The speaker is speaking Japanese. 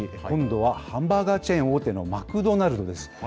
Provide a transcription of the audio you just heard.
今度はハンバーガーチェーン大手のマクドナルドです。